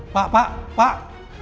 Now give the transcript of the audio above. pak pak pak